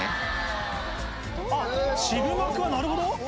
渋幕はなるほど！